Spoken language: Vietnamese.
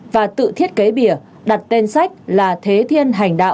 và tự thiết kế bìa đặt tên sách là thế thiên hành đạo